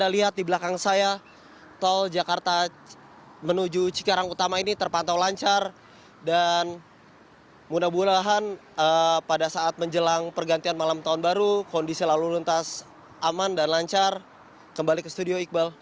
lihat di belakang saya tol jakarta menuju cikarang utama ini terpantau lancar dan mudah mudahan pada saat menjelang pergantian malam tahun baru kondisi lalu lintas aman dan lancar kembali ke studio iqbal